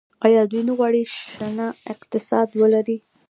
آیا دوی نه غواړي شنه اقتصاد ولري؟